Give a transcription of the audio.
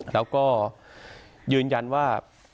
แล้วก็ยืนยันว่า